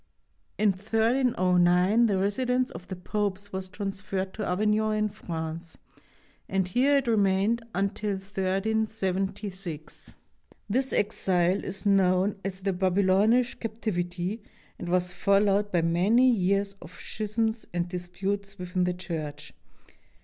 In 1309 the residence of the Popes was trans ferred to Avignon in France, and here it remained until 1376. This exile is known as the "Babylonish Captivity" and was followed by many years of schisms and disputes within the Church.